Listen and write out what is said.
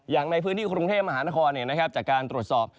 อย่างในพื้นที่กรุงเทพมหานครจากการตรวจสอบ